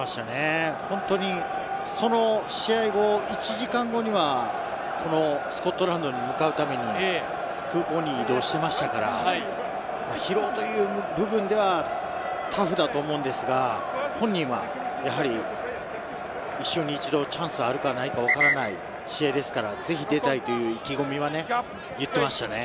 本当にその試合後、１時間後にはこのスコットランドに向かうために、空港に移動していましたから、疲労という部分ではタフだと思うんですが、本人は、やはり一生に一度チャンスがあるかないか分からない試合ですから、ぜひ出たいという意気込みを言っていましたね。